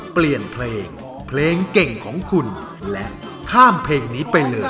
เปลี่ยนเพลงเพลงเก่งของคุณและข้ามเพลงนี้ไปเลย